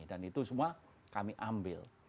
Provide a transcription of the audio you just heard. dan itu semua kami ambil